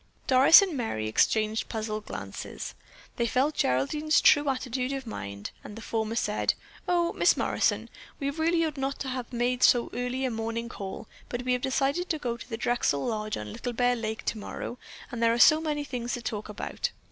Doris and Merry exchanged puzzled glances. They felt Geraldine's true attitude of mind, and the former said: "Oh, Miss Morrison, we really ought not to have made so early a morning call, but we have decided to go to the Drexel Lodge on Little Bear Lake tomorrow, and there are so many things to talk about.